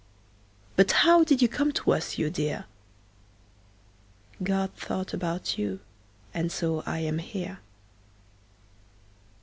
But how did you come to us, you dear? God thought about you, and so I am here.